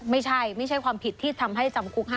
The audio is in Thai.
ไม่ใช่ไม่ใช่ความผิดที่ทำให้จำคุก๕